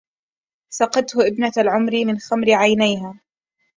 سقته ابنة العمري من خمر عينها